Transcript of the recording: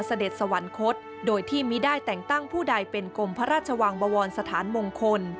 เสด็จสวรรคตโดยที่ไม่ได้แต่งตั้งผู้ใดเป็นกรมพระราชวังบวรสถานมงคล